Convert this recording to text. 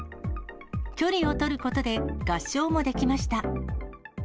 距離を取ることで合唱もできました。